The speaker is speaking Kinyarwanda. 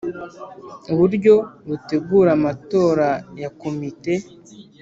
uburyo butegura amatora ya Komite